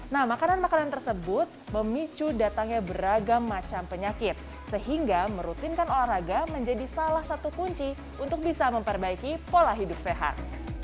nah makanan makanan tersebut memicu datangnya beragam macam penyakit sehingga merutinkan olahraga menjadi salah satu kunci untuk bisa memperbaiki pola hidup sehat